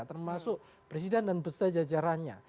termasuk presiden dan beserta jajarannya